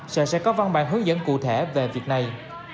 sở sẽ có văn bản hướng dẫn cụ thể về việc này